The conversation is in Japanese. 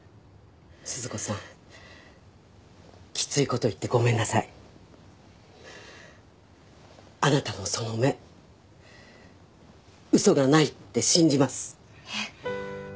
鈴子さんきついこと言ってごめんなさいあなたのその目ウソがないって信じますええ